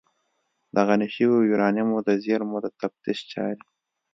د غني شویو یورانیمو د زیرمو د تفتیش چارې